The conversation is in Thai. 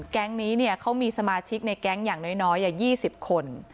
แก๊งนี้เขามีสมาชิกในแก๊งอย่างน้อย๒๐คน